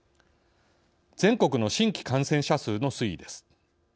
全国の新規感染者数の推移です。